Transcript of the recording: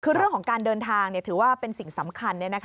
คือเรื่องของการเดินทางถือว่าเป็นสิ่งสำคัญ